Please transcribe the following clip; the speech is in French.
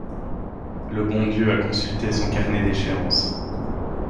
Le bon Dieu a consulté son carnet d’échéances.